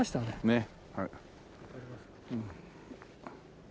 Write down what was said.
ねっ。